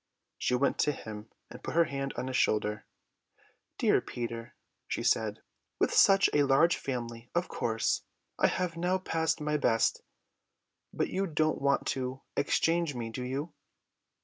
She went to him and put her hand on his shoulder. "Dear Peter," she said, "with such a large family, of course, I have now passed my best, but you don't want to change me, do you?"